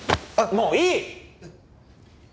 もういい！